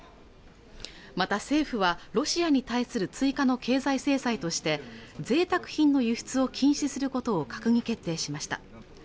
また政府はロシアに対する追加の経済制裁としてぜいたく品の輸出を禁止することを閣議決定しました